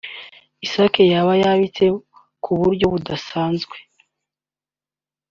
isake yabo yabitse ku buryo budasazwe